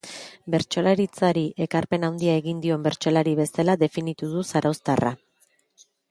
Bertsolaritzari ekarpen handia egin dion bertsolari bezala definitu du zarauztarra.